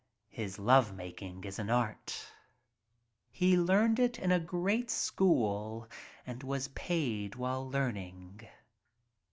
His love making is an art. He learned it in a great school and was paid while learning.